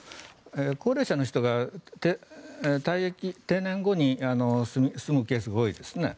高齢者の人が定年後に住むケースが多いですね。